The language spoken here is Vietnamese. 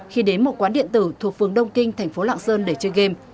khi đến một quán điện tử thuộc phường đông kinh thành phố lạng sơn để chơi game